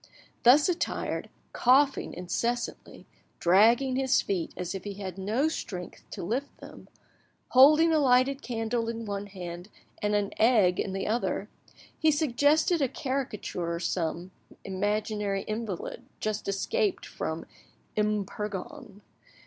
Thus attired, coughing incessantly, dragging his feet as if he had no strength to lift them, holding a lighted candle in one hand and an egg in the other, he suggested a caricature some imaginary invalid just escaped from M. Purgon.